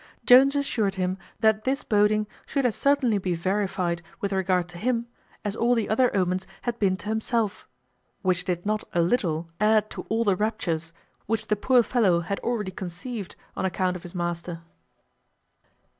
Jones assured him that this boding should as certainly be verified with regard to him as all the other omens had been to himself; which did not a little add to all the raptures which the poor fellow had already conceived on account of his master.